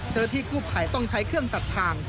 จนที่กุพัยต้องใช้เครื่องตัดทาง